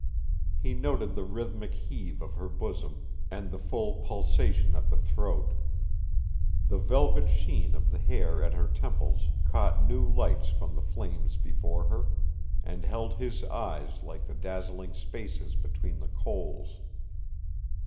He noted the rhythmic heave of her bosom and the full pulsation at the throat. The velvet sheen of the hair at her temples caught new lights from the flames before her and held his eyes like the dazzling spaces between the coals.